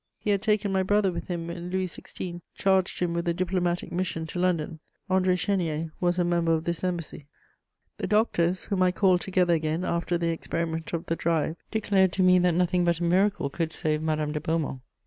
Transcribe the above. He had taken my brother with him when Louis XVI. charged him with a diplomatic mission to London: André Chénier was a member of this embassy. The doctors, whom I called together again after the experiment of the drive, declared to me that nothing but a miracle could save Madame de Beaumont.